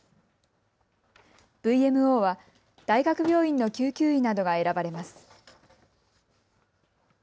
ＶＭＯは、大学病院の救急医などが選ばれます。